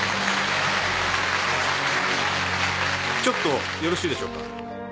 ちょっとよろしいでしょうか？